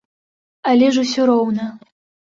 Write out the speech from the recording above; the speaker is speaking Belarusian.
Але ж усё роўна.